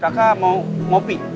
kakak mau kopi